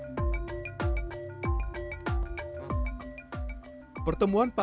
pertemuan pak uwi dan pak anantatur